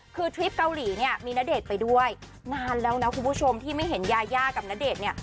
คือทริปเกาหลีเนี่ยมีณเดชน์ไปด้วยนานแล้วนะคุณผู้ชมที่ไม่เห็นยายากับณเดชน์เนี่ย